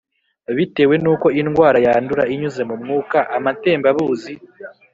bitewe n’ uko indwara yandura inyuze mu mwuka, amatembabuzi…